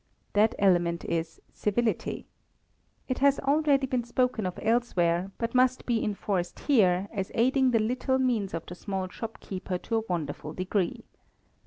That element is civility. It has already been spoken of elsewhere, but must be enforced here, as aiding the little means of the small shopkeeper to a wonderful degree.